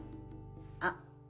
あっ。